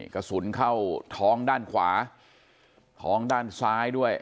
กระสุนเข้าท้องด้านขวาท้องด้านซ้ายด้วย